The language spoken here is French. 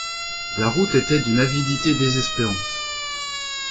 La route était d’une avidité désespérante.